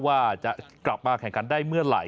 ว่าจะกลับมาแข่งขันได้เมื่อไหร่